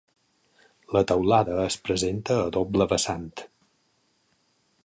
La teulada es presenta a doble vessant.